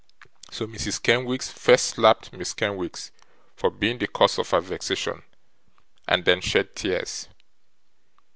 So, Mrs. Kenwigs first slapped Miss Kenwigs for being the cause of her vexation, and then shed tears.